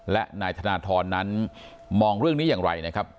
และนายธนทรนั้นมองเรื่องนี้อย่างไรนะครับ